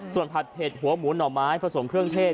ส่วนผัดเผ็ดหัวหมูหน่อไม้ผสมเครื่องเทศ